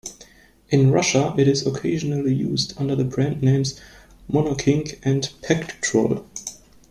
In Russia it is occasionally used under the brand names Monocinque and Pektrol.